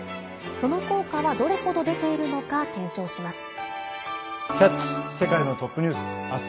その効果はどれほど出ているのか検証します。